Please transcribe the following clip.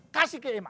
kasih ke emak